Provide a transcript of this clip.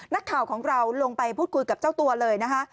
นักข่าวของเราลงไปพูดคุยกับเจ้าตัวเลยนะคะ